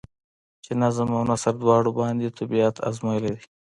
چې نظم او نثر دواړو باندې طبېعت ازمائېلے دے ۔